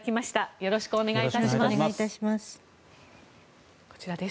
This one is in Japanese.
よろしくお願いします。